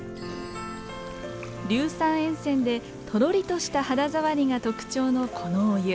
硫酸塩泉でとろりとした肌触りが特徴のこのお湯。